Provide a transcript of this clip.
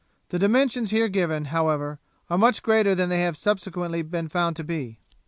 The dimensions here given, however, are much greater than they have subsequently been found to be.